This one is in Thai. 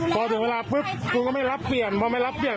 พอถึงเวลาปุ๊บคุณก็ไม่รับเปลี่ยนพอไม่รับเปลี่ยน